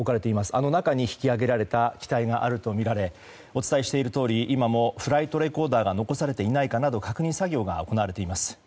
あの中に引き揚げられた機体があるとみられお伝えしているとおり今もフライトレコーダーが残されていないかなど確認作業が行われています。